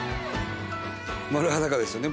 丸裸ですよね